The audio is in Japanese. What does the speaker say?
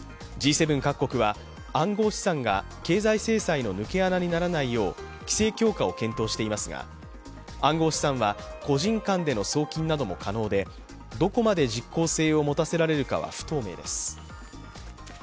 Ｇ７各国は暗号資産が経済制裁の抜け穴にならないよう規制強化を検討していますが暗号資産は個人間での送金なども可能で、どこまで実効性を持たせられるかは不透明です。